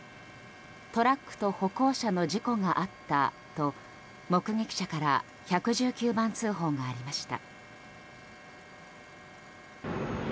トラックと歩行者の事故があったと目撃者から１１９番通報がありました。